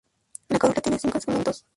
La corola tiene cinco segmentos.